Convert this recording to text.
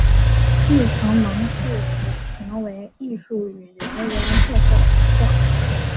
亦曾蒙市府评为艺术与人文特色学校。